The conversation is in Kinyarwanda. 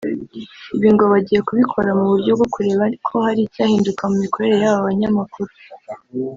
Ibi ngo bagiye kubikora mu buryo bwo kureba ko hari icyahinduka mu mikorere yaba banyamakuru